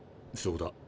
そうだ。